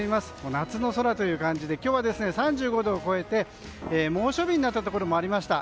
夏の空という感じで今日は３５度を超えて猛暑日になったところもありました。